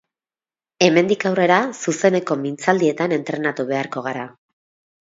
Hemendik aurrera zuzeneko mintzaldietan entrenatu beharko gara.